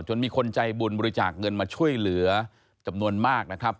มีคนใจบุญบริจาคเงินมาช่วยเหลือจำนวนมากนะครับ